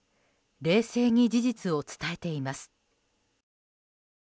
冷静に事実を伝えています。